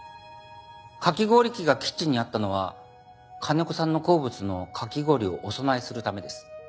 かき氷機がキッチンにあったのは金子さんの好物のかき氷をお供えするためです。